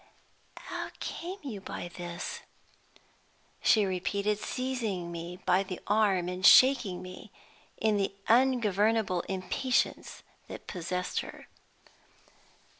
"How came you by this?" she repeated, seizing me by the arm and shaking me, in the ungovernable impatience that possessed her.